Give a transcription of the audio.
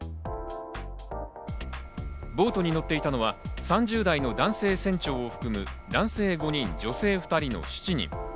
ボートに乗っていたのは３０代の男性船長を含む男性５人、女性２人の７人。